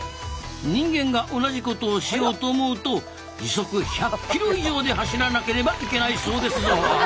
人間が同じことをしようと思うと時速１００キロ以上で走らなければいけないそうですぞ。